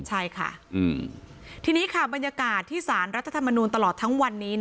ใช่ค่ะทีนี้ค่ะบรรยากาศที่สารรัฐธรรมนูลตลอดทั้งวันนี้